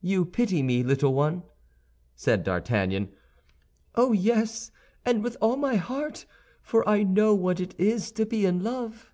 "You pity me, little one?" said D'Artagnan. "Oh, yes, and with all my heart; for I know what it is to be in love."